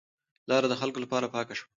لار د خلکو لپاره پاکه شوه.